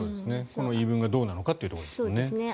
この言い分がどうなのかというところですもんね。